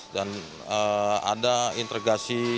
dan ada integrasi